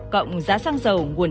cộng giá xăng dầu